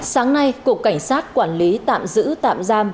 sáng nay cục cảnh sát quản lý tạm giữ tạm giam